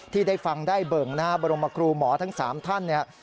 ที่ได้ฟังได้เบิ่งนะครับบรมครูหมอทั้ง๓ท่านเนี่ย